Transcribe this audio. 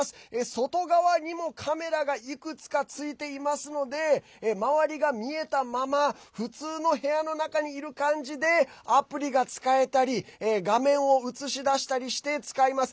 外側にもカメラがいくつかついていますので周りが見えたまま普通の部屋の中にいる感じでアプリが使えたり画面を映し出したりして使います。